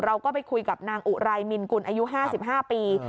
เราก็ไปคุยกับนางอุไรมินกุลอายุ๕๕ปี